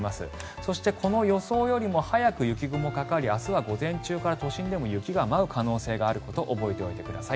そして、この予想よりも早く雪雲がかかり明日は午前中から、都心でも雪が舞う可能性があること覚えておいてください。